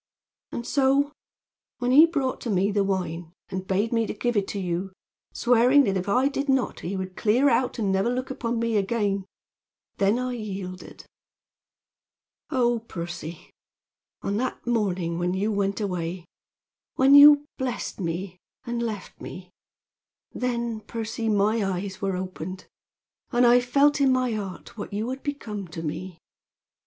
And so, when he brought to me the wine, and bade me to give it to you, swearing that if I did not he would clear out and never look upon me again, then I yielded. "Oh, Percy! On that morning when you went away when you blessed me and left me then, Percy, my eyes were opened, and I felt in my heart what you had become to me.